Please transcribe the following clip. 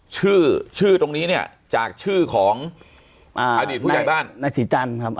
ชื่อชื่อตรงนี้เนี่ยจากชื่อของอ่าอดีตผู้ใหญ่บ้านนายศรีจันทร์ครับ